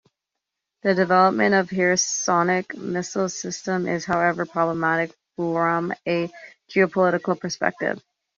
The development of hypersonic missiles systems is, however, problematic from a geopolitical perspective.